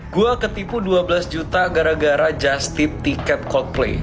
gue ketipu dua belas juta gara gara just tip tiket coldplay